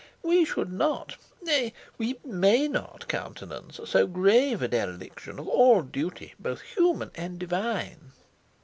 We should not—nay, we may not—countenance so grave a dereliction of all duty, both human and divine."